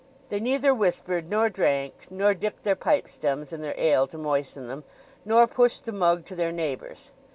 They neither whispered, nor drank, nor dipped their pipe stems in their ale to moisten them, nor pushed the mug to their neighbours.